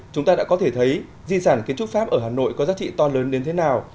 chúng ta đã có thể thấy di sản kiến trúc pháp ở hà nội có giá trị to lớn đến thế nào